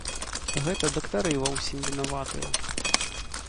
Гэта дактары ва ўсім вінаватыя.